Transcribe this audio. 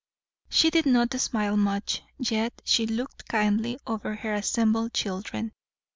She did not smile much, yet she looked kindly over her assembled children.